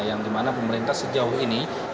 yang dimana pemerintah sejauh ini